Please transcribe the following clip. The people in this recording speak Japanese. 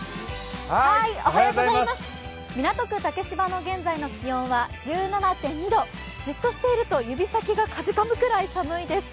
港区竹芝の現在の気温は１７．２度、じっとしていると指先がかじかむぐらい寒いです。